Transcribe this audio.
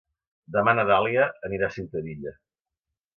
Demà na Dàlia anirà a Ciutadilla.